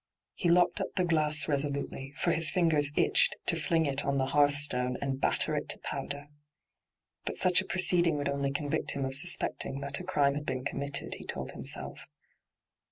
He locked up the glass resolutely, for his fiugers itched to fling it on the hearthstone D,gt,, 6rtbyGOO>^IC ENTRAPPED 55 and batter it to powder. But such a proceed ing would only convict him of auapecting that a crime had been committed, he told himaelf.